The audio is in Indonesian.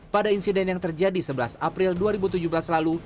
pada insiden yang terjadi sebelas april dua ribu tujuh belas lalu